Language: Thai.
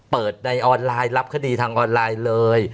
เปิดในออนไลน์รับคดีทางออนไลน์เลย